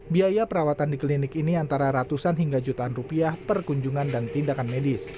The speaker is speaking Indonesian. biaya perawatan di klinik ini antara ratusan hingga jutaan rupiah per kunjungan dan tindakan medis